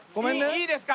いいですか？